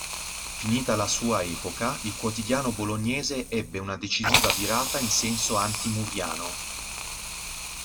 Finita la sua epoca, il quotidiano bolognese ebbe una decisa virata in senso anti-murriano.